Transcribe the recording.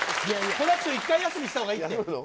好楽師匠、一回休みしたほうがいいって。